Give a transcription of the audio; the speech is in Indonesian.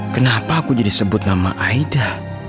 kenapa aku jadi sebut nama aida